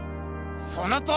そのとおり！